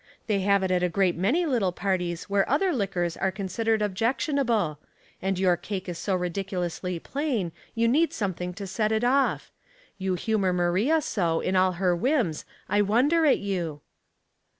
They have it at a great many little parties where other liquors are considered objectionable ; and your cake is so ridiculously plain you need some thing to set it off. You humor Maria so, in all of her whims, I wonder at you."